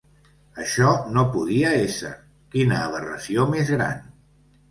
Això no podia ésser! ¡Quina aberració més gran!